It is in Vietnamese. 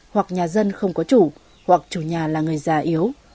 hoặc nhà dân không có chủ hoặc chủ nhà là người già yếu